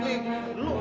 nih lu apa